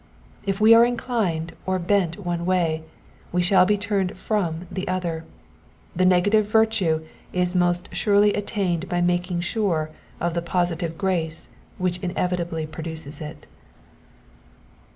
If we are inclined or bent one way, we shall be turned from the other : the negative virtue is most surely attained by making sure of the positive grace which inevitably produces it.